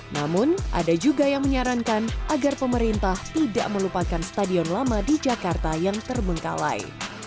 namun ada juga yang menyarankan agar pemerintah tidak melupakan stadion lama di jakarta yang terbengkalai